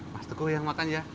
mas teguh yang makan ya